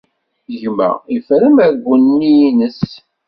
Gma iffer amergu-nni ines.